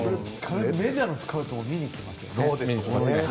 メジャーのスカウトも見に来ますよね。